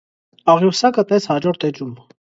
Աղյուսակը տես հաջորդ էջում։